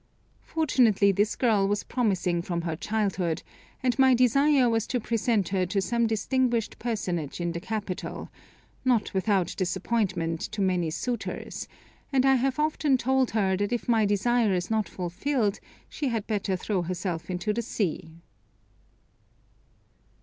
Fortunately this girl was promising from her childhood, and my desire was to present her to some distinguished personage in the capital, not without disappointment to many suitors, and I have often told her that if my desire is not fulfilled she had better throw herself into the sea."